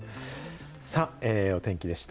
さあ、お天気でした。